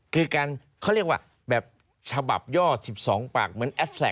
คือการเขาเรียกว่าแบบฉบับย่อ๑๒ปากเหมือนแอฟแท็